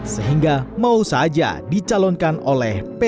sehingga mau saja dicalonkan oleh p tiga